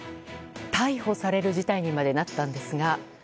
逮捕される事態にまでなったんですが。